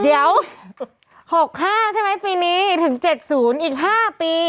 เดี๋ยวหกห้าใช่ไหมปีนี้ถึงเจ็ดศูนย์อีกห้าปี